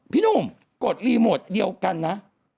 พี่หนุ่มกดรีโมทเดียวกันนะ